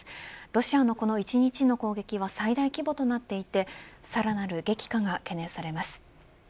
ロシアのこの１日の攻撃は最大規模となっていてさらなる激化が懸念されます。